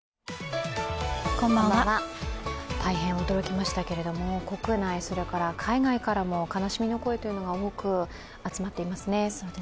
大変驚きましたけれども、国内、それから海外からも悲しみの声というのが多く集まっていますね。